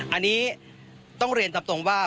อันนี้ต้องเรียนตามตรงว่า